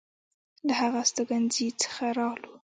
له هغه استوګنځي څخه راغلو.